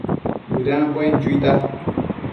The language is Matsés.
Bëdambuen chuita